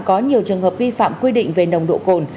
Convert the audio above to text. có nhiều trường hợp vi phạm quy định về nồng độ cồn